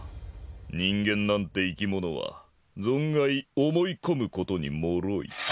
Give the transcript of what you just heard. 人間なんて生き物は存外思い込むことにもろい。